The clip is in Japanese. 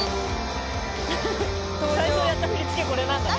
最初やった振り付けこれなんだね。